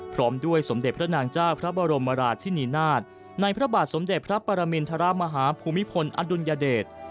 พร้อมด้วยสมเด็จพระนางเจ้าพระบรมราชินีนาฏในพระบาทสมเด็จพระปรมินทรมาฮาภูมิพลอดุลยเดช